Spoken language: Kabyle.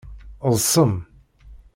Ḍsem!